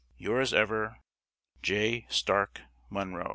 Yours ever, J. STARK MUNRO.